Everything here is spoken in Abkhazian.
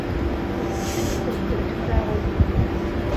Ԥыҭчыҭқәак дрыхьӡароуп.